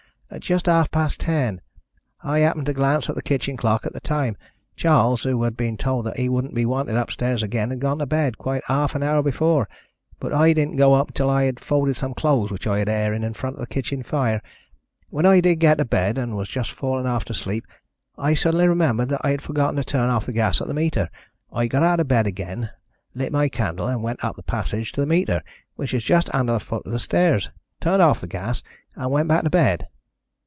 "Just half past ten. I happened to glance at the kitchen clock at the time. Charles, who had been told that he wouldn't be wanted upstairs again, had gone to bed quite half an hour before, but I didn't go until I had folded some clothes which I had airing in front of the kitchen fire. When I did get to bed, and was just falling off to sleep, I suddenly remembered that I had forgotten to turn off the gas at the meter. I got out of bed again, lit my candle, and went up the passage to the meter, which is just under the foot of the stairs, turned off the gas, and went back to bed."